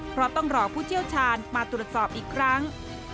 เพราะต้องรอผู้เชี่ยวชาญมาตรวจสอบอีกครั้ง